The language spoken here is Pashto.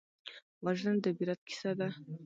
وژنه د عبرت کیسه ده